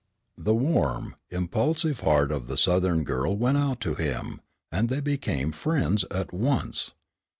The warm, impulsive heart of the Southern girl went out to him, and they became friends at once.